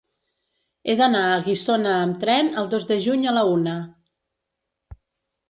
He d'anar a Guissona amb tren el dos de juny a la una.